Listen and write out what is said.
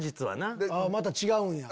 また違うんや。